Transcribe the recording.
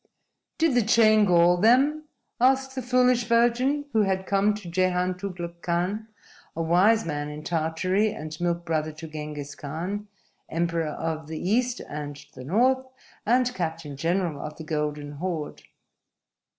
_"Did the chain gall them?" asked the Foolish Virgin, who had come to Jehan Tugluk Khan, a wise man in Tartary and milk brother to Ghengiz Khan, Emperor of the East and the North and Captain General of the Golden Horde.